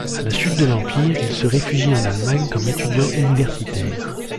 À la chute de l'empire, il se réfugie en Allemagne comme étudiant universitaire.